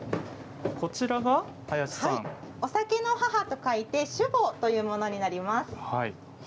お酒の母と書いて酒母というものになります。